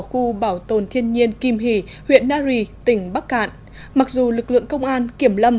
khu bảo tồn thiên nhiên kim hỷ huyện nari tỉnh bắc cạn mặc dù lực lượng công an kiểm lâm